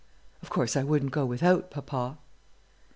Of course I wouldn't go without papa."